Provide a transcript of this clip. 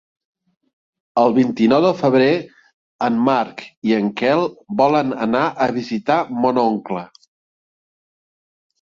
El vint-i-nou de febrer en Marc i en Quel volen anar a visitar mon oncle.